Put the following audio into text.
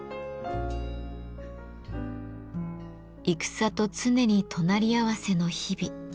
戦と常に隣り合わせの日々。